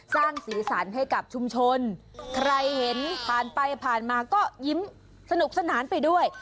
สร้างสีสันให้กับชุมชนใครเห็นผ่านไปผ่านมาก็ยิ้มสนุกสนานไปด้วย